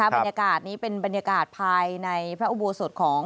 บรรยากาศนี้เป็นบรรยากาศภายในพระอุโบสถของ